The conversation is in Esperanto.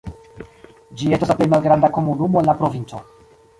Ĝi estas la plej malgranda komunumo en la provinco.